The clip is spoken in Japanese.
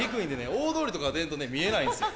大通りとか出んとね見えないんですよ。